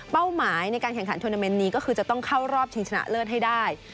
หมายในการแข่งขันทวนาเมนต์นี้ก็คือจะต้องเข้ารอบชิงชนะเลิศให้ได้